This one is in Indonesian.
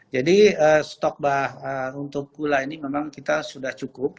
jadi stok bah untuk gula ini memang kita sudah cukup